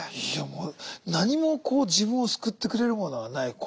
いやもう何も自分を救ってくれるものはない。